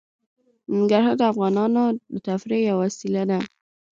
ننګرهار د افغانانو د تفریح یوه وسیله ده.